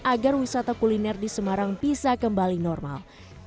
agar wisata kuliner di semarang bisa kembali normal